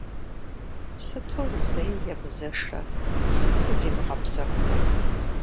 Сыту зэи емызэшрэ, сыту зимыгъэпсэхурэ?